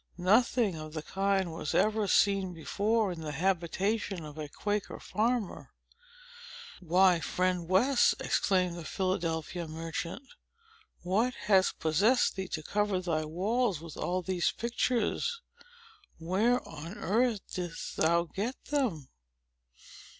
Nothing of the kind was ever seen before in the habitation of a Quaker farmer. "Why, Friend West," exclaimed the Philadelphia merchant, "what has possessed thee to cover thy walls with all these pictures? Where on earth didst thou get them?"